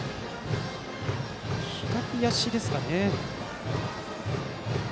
左足ですかね。